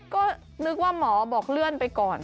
ก็นึกว่าหมอบอกเลื่อนไปก่อน